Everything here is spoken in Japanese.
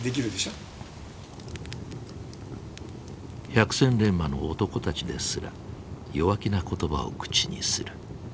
百戦錬磨の男たちですら弱気な言葉を口にする。